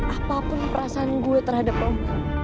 apapun perasaan gue terhadap om